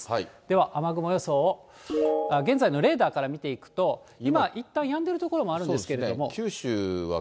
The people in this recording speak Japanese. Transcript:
では雨雲予想を、現在のレーダーから見ていくと、今、いったんやんでいる所もあるんですけど。